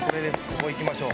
ここ行きましょう。